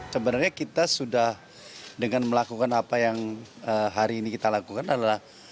sebenarnya kita sudah dengan melakukan apa yang hari ini kita lakukan adalah